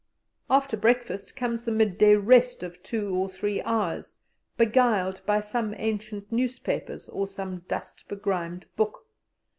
After breakfast comes the midday rest of two or three hours, beguiled by some ancient newspapers or some dust begrimed book.